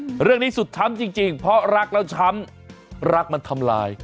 เรื่องนี้สุดช้ำจริงจริงเพราะรักแล้วช้ำรักมันทำลาย